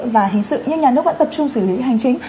và hình sự nhưng nhà nước vẫn tập trung xử lý hành chính